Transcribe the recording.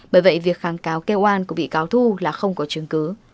bởi vậy việc kháng cáo kêu oan của bị cáo thu là không có chứng cứ